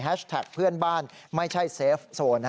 แฮชแท็กเพื่อนบ้านไม่ใช่เซฟโซน